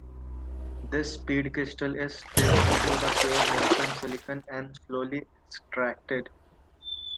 This seed crystal is dipped into the pure molten silicon and slowly extracted.